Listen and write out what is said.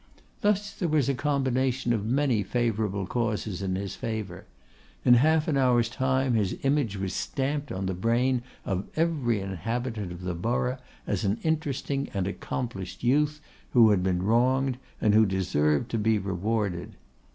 Thus there was a combination of many favourable causes in his favour. In half an hour's time his image was stamped on the brain of every inhabitant of the borough as an interesting and accomplished youth, who had been wronged, and who deserved to be rewarded.